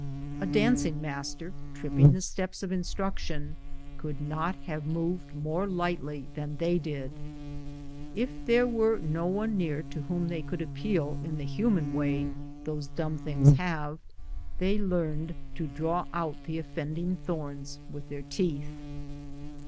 A dancing master, tripping the steps of instruction, could not have moved more lightly than did they. If there were no one near to whom they could appeal in tlio human way those dumb CAMPING AMONG THE SIOUX. 57 things have, they learned to draw out the offending thorns with their teeth.